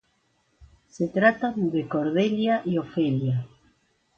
Se tratan de Cordelia y Ofelia.